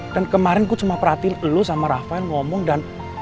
dan kemarin gue cuma perhatiin elu sama rafael ngomong dan